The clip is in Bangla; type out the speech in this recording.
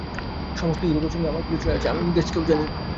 সমস্ত য়ুরোপের সঙ্গে আমার পরিচয় আছে, আমি ইংরেজকেও জানি।